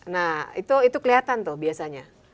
nah itu kelihatan tuh biasanya